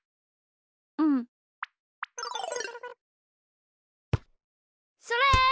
うん。それ！